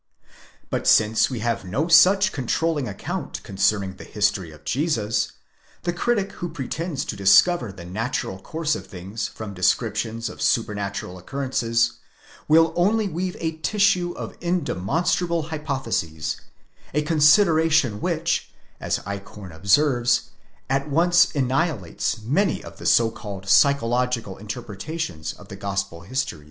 But since we have no such controlling account concerning the history of Jesus, the critic who pretends to discover the natural course of things from descriptions of supernatural occurrences, will only weave a tissue of indemonstrable hypotheses :—a con sideration which, as Eichhorn observes, at once annihilates many of the so called psychological interpretations of the Gospel histories.